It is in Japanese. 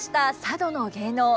佐渡の芸能